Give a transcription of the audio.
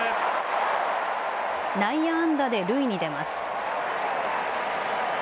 内野安打で塁に出ます。